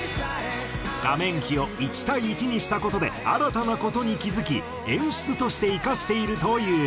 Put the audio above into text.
画面比を１対１にした事で新たな事に気付き演出として生かしているという。